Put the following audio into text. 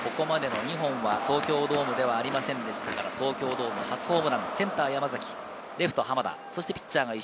ここまでの２本は、東京ドームではありませんでしたから、東京ドーム初ホーム。